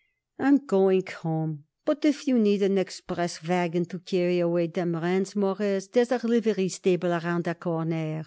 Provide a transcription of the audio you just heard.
I'm going home, but if you need an express wagon to carry away them rents, Mawruss, there's a livery stable around the corner."